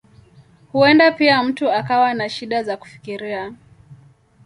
Huenda pia mtu akawa na shida za kufikiria.